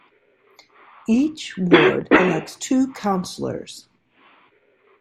Each ward elects two councillor.